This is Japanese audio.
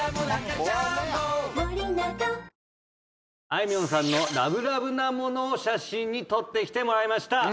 あいみょんさんのＬＯＶＥＬＯＶＥなものを写真に撮ってきてもらいました。